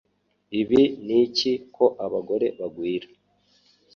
Ibi niki ko Abagore bagwira